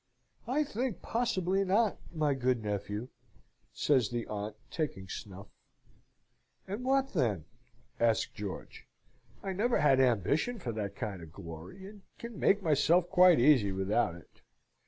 "I think possibly not, my good nephew," says the aunt, taking snuff. "And what then?" asked George. "I never had ambition for that kind of glory, and can make myself quite easy without it.